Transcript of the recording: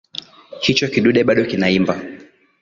Hicho kidude bado kinaimba